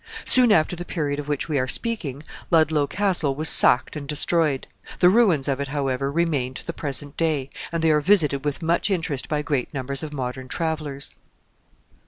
Soon after the period of which we are speaking, Ludlow Castle was sacked and destroyed. The ruins of it, however, remain to the present day, and they are visited with much interest by great numbers of modern travelers.